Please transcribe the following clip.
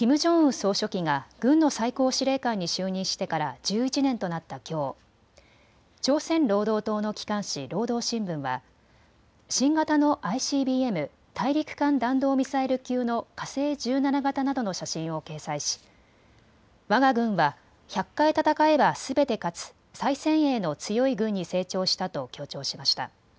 総書記が軍の最高司令官に就任してから１１年となったきょう、朝鮮労働党の機関紙、労働新聞は新型のＩＣＢＭ・大陸間弾道ミサイル級の火星１７型などの写真を掲載し、わが軍は１００回戦えばすべて勝つ最先鋭の強い軍に成長したと強調しました。